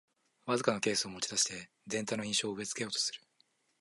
わずかなケースを持ちだして全体の印象を植え付けようとする